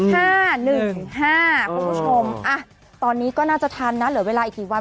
คุณผู้ชมตอนนี้ก็น่าจะทันนะเหลือเวลาอีกกี่วัน